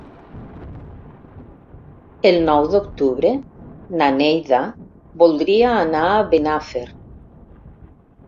El nou d'octubre na Neida voldria anar a Benafer.